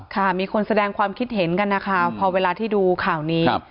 ค่ะมีคนแสดงความคิดเห็นกันนะคะพอเวลาที่ดูข่าวนี้